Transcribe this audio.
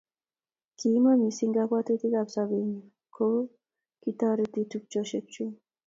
Kiima mising Kabwotik ab sobenyu kouye kitatoriti tupchoshek chuk